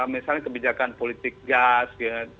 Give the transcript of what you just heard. misalnya kebijakan politik gas